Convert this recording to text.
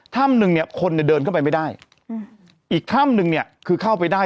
ถ้ำนึงเนี่ยคนเนี่ยเดินเข้าไปไม่ได้อืมอีกถ้ำนึงเนี่ยคือเข้าไปได้